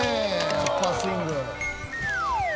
アッパースイング。